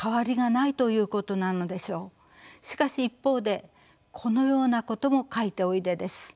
しかし一方でこのようなことも書いておいでです。